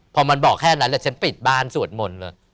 พอมันบอกแค่นั้นแหละฉันปิดบ้านสวดมนต์เลย